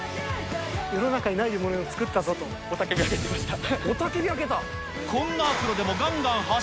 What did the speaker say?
世の中にないものを作ったぞ雄たけびを上げてました。